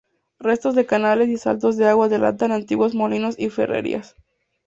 Restos de canales y saltos de agua delatan antiguos molinos y ferrerías.